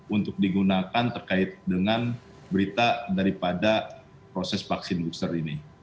untuk digunakan terkait dengan berita daripada proses vaksin booster ini